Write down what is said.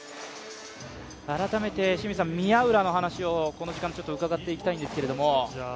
改めて清水さん、宮浦の話をこの時間伺っていきたいんですけれども。